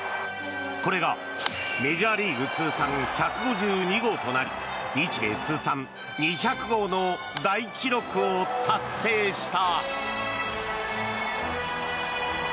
これがメジャーリーグ通算１５２号となり日米通算２００号の大記録を達成した。